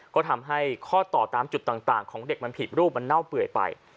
ก็ทำให้ข้อต่อตามจุดต่างของเด็กมันผิดรูปมันเน่าเปื่อยไป